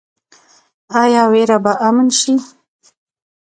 آیا ویره به امن شي؟